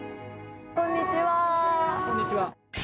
こんにちは。